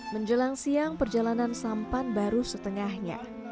menjelang siang perjalanan sampan baru setengahnya